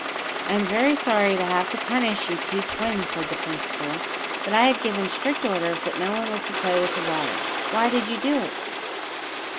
"I am very sorry to have to punish you two twins," said the principal, "but I had given strict orders that no one was to play with that water. Why did you do it?"